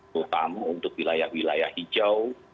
terutama untuk wilayah wilayah hijau